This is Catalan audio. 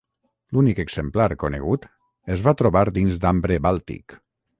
L'únic exemplar conegut es va trobar dins d'ambre bàltic.